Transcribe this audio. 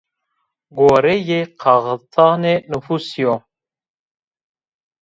Goreyê kaxitanê nufusî yo